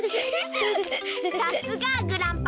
さすがグランパ。